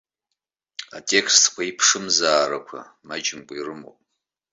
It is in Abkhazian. Атекстқәа аиԥшымзаарақәа маҷымкәа ирымоуп.